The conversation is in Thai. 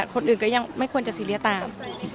คนอื่นก็ยังไม่ควรจะซีเรียสตาม